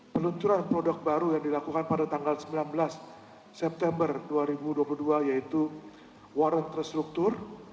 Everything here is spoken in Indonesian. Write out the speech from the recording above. peluncuran produk baru yang dilakukan pada tanggal sembilan belas september dua ribu dua puluh dua yaitu warung terstruktur